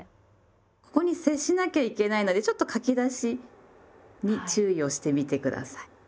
ここに接しなきゃいけないのでちょっと書き出しに注意をしてみて下さい。